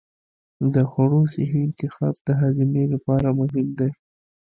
د خوړو صحي انتخاب د هاضمې لپاره مهم دی.